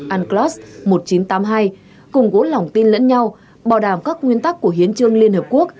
unclos một nghìn chín trăm tám mươi hai cùng gỗ lỏng tin lẫn nhau bảo đảm các nguyên tắc của hiến trương liên hợp quốc